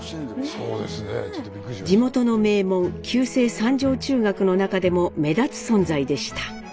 地元の名門旧制三条中学の中でも目立つ存在でした。